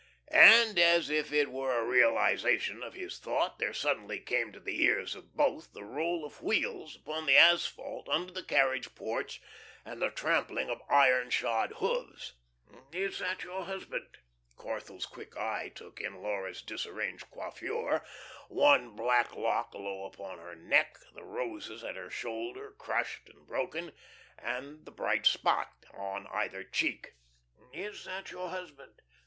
And, as if it were a realisation of his thought, there suddenly came to the ears of both the roll of wheels upon the asphalt under the carriage porch and the trampling of iron shod hoofs. "Is that your husband?" Corthell's quick eye took in Laura's disarranged coiffure, one black lock low upon her neck, the roses at her shoulder crushed and broken, and the bright spot on either cheek. "Is that your husband?"